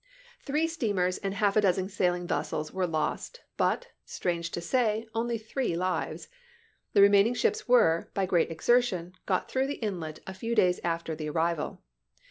Three of ^th? steamers and half a dozen sailing vessels were lost, ^'^oi^thl^^ but, strange to say, only three lives. The remain the war. ing ships were, by great exertion, got through the Inlet a few days after the arrival.